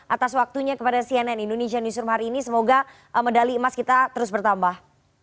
atas waktunya kepada cnn indonesia newsroom hari ini semoga medali emas kita terus bertambah